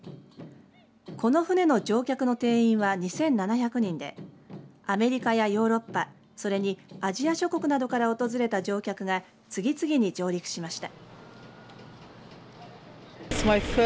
この船の乗客の定員は２７００人でアメリカやヨーロッパそれにアジア諸国などから訪れた乗客が次々に上陸しました。